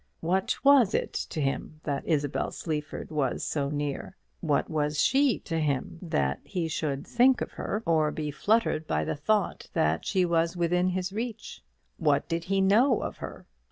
What was it to him that Isabel Sleaford was so near? What was she to him, that he should think of her, or be fluttered by the thought that she was within his reach? What did he know of her?